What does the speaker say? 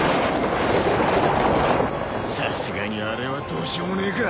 さすがにあれはどうしようもねえか。